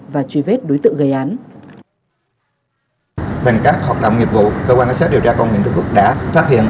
và truy vết đối tượng gây án